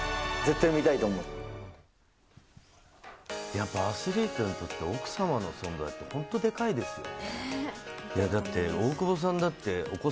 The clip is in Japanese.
やっぱアスリートにとって奥様の存在って本当に、でかいですね。